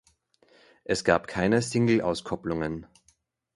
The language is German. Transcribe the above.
Es gab keine Singleauskopplungen.